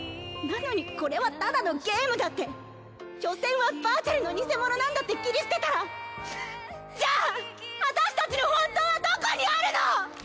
なのにこれはただのゲームだって所詮はバーチャルの偽物なんだって切り捨てたらじゃあ私たちの「本当」はどこにあるの！？